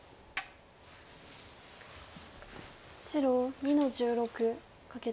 白２の十六カケツギ。